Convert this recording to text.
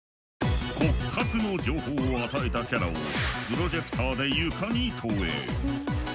骨格の情報を与えたキャラをプロジェクターで床に投影。